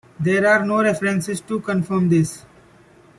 There are no references to confirm this.